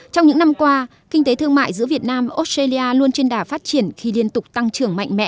trong những năm qua kinh tế thương mại giữa việt nam australia luôn trên đà phát triển khi liên tục tăng trưởng mạnh mẽ